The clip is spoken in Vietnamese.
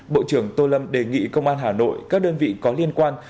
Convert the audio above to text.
bộ trưởng tô lâm đề nghị công an hà nội các đơn vị có liên quan